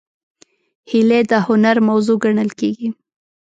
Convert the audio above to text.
هیلۍ د هنر موضوع ګڼل کېږي